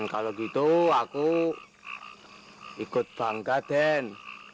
kalau gitu aku ikut bangga dan